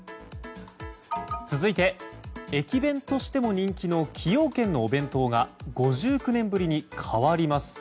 続いて駅弁としても人気の崎陽軒のお弁当が５９年ぶりに変わります。